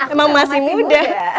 emang masih muda